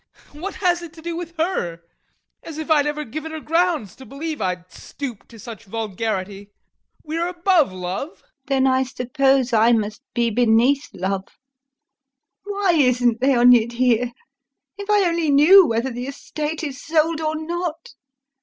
What has it to do with her? As if I'd ever given her grounds to believe I'd stoop to such vulgarity! We are above love. LUBOV. Then I suppose I must be beneath love. [In agitation] Why isn't Leonid here? If I only knew whether the estate is sold or not!